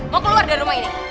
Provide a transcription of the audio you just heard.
mau keluar dari rumah ini